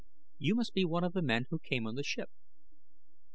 "You must be one of the men who came on the ship."